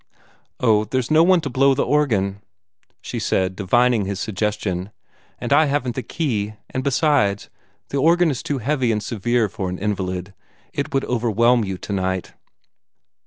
"Oh, there's no one to blow the organ," she said, divining his suggestion. "And I haven't the key and, besides, the organ is too heavy and severe for an invalid. It would overwhelm you tonight."